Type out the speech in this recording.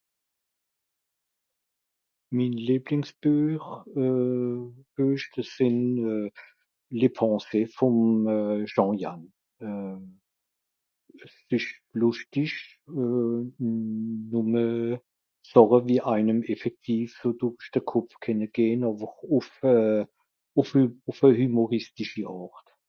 Min Lieblingsbüech euh büesch dis sin euh Les Pensées vùm euh Jean Yanne euh es ìsch lùschtisch euh nùmme Sàche wie ainem effektiiv so durch de Kopf kenne gehn àwer ùf e ùf e ùf e hümoristischi Ààrt.